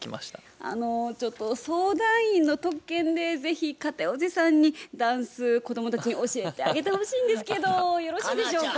あのちょっと相談員の特権で是非片寄さんにダンス子供たちに教えてあげてほしいんですけどよろしいでしょうか？